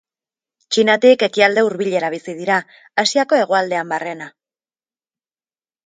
Txinatik Ekialde Hurbilera bizi dira, Asiako hegoaldean barrena.